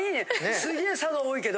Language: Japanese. すげえ「さ」が多いけど。